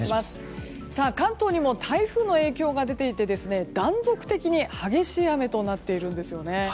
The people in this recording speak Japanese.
関東にも台風の影響が出ていて断続的に激しい雨となっているんですよね。